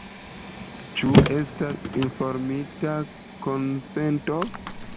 Ĉu estas informita konsento?